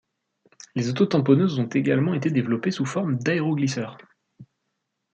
Les autos-tamponneuses ont également été développées sous forme d'aéroglisseurs.